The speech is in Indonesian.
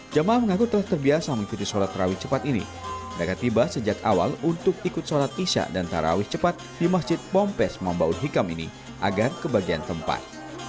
jemaah mengaku telah terbiasa mengikuti sholat rawit cepat ini mereka tiba sejak awal untuk ikut sholat isya dan tarawih cepat di masjid pompes mambaun hikam ini agar kebagian tempat